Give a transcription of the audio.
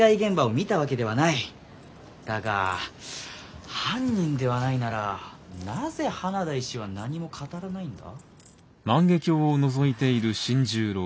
だが犯人ではないならなぜ花田医師は何も語らないんだ？